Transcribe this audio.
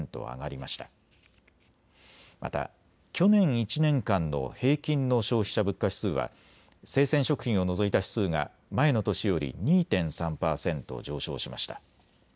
また去年１年間の平均の消費者物価指数は生鮮食品を除いた指数が前の年より２．３％上昇しました。